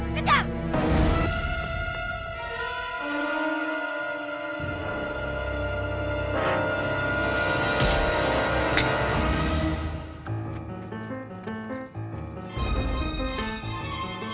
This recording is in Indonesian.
jangan sampai dia menangkapku